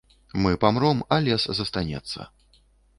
Мы памром, а лес застанецца.